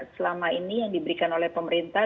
selama ini yang diberikan oleh pemerintah